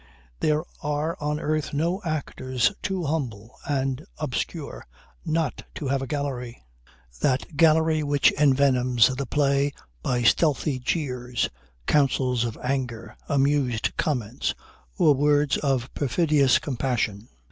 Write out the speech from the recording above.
There are on earth no actors too humble and obscure not to have a gallery; that gallery which envenoms the play by stealthy jeers, counsels of anger, amused comments or words of perfidious compassion.